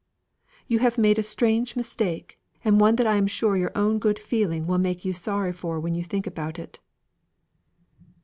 You have made a strange mistake, and one that I am sure your own good feeling will make you sorry for when you think about it."